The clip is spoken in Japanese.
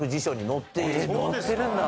載ってるんだ。